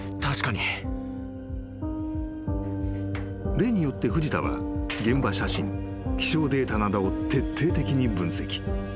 ［例によって藤田は現場写真気象データなどを徹底的に分析］